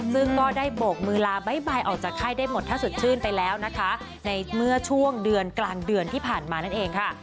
ซึ่งก็ได้โบกมือลาบ๊ายบายออกจากไข้ได้หมดถ้าสดชื่นไปแล้วนะคะในเมื่อช่วงเดือนกลางเดือนที่ผ่านมานั่นเองค่ะ